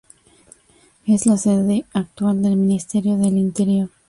Es la sede actual del Ministerio del Interior.